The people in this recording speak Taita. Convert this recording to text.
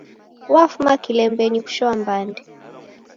Wafuma kilembenyi kushoa mbande